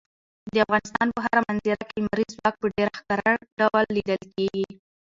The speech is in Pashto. د افغانستان په هره منظره کې لمریز ځواک په ډېر ښکاره ډول لیدل کېږي.